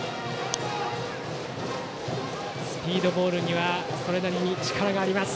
スピードボールにはそれなりに力があります。